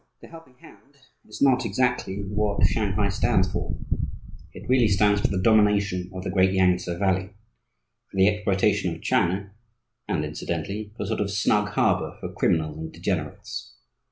The helping hand is not exactly what Shanghai stands for. It really stands for the domination of the great Yangtse Valley, for the exploitation of China, and, incidentally, for a sort of snug harbour for criminals and degenerates.